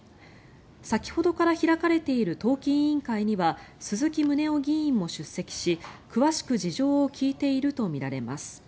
先ほどから開かれている党紀委員会には鈴木宗男議員も出席し詳しく事情を聴いているとみられます。